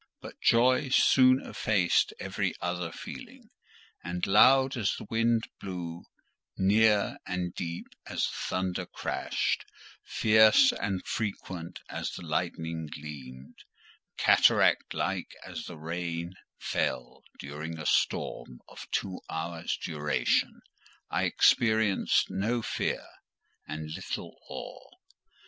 But joy soon effaced every other feeling; and loud as the wind blew, near and deep as the thunder crashed, fierce and frequent as the lightning gleamed, cataract like as the rain fell during a storm of two hours' duration, I experienced no fear and little awe.